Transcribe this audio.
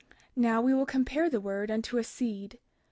32:28 Now, we will compare the word unto a seed.